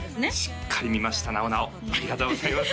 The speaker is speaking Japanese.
しっかり見ましたなおなおありがとうございます